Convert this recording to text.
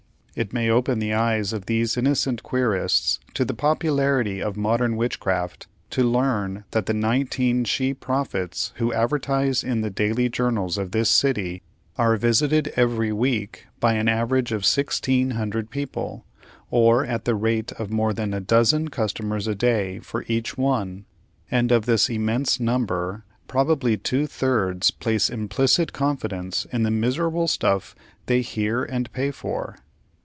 It may open the eyes of these innocent querists to the popularity of modern witchcraft to learn that the nineteen she prophets who advertise in the daily journals of this city are visited every week by an average of sixteen hundred people, or at the rate of more than a dozen customers a day for each one; and of this immense number probably two thirds place implicit confidence in the miserable stuff they hear and pay for.